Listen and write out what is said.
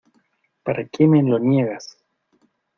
¿ para qué me lo niegas?